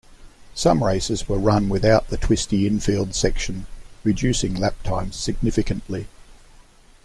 Some races were run without the twisty infield section, reducing lap times significantly.